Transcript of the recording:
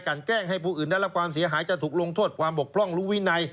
แกล้งให้ผู้อื่นได้รับความเสียหายจะถูกลงโทษความบกพร่องรู้วินัย